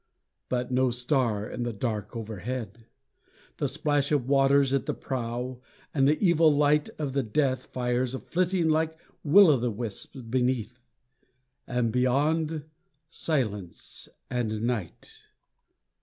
But no star in the dark overhead! The splash of waters at the prow, and the evil light Of the death fires flitting like will o' the wisps beneath! And beyond Silence and night!